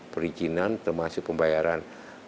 perizinan termasuk pembayaran